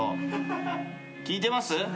聞いてます？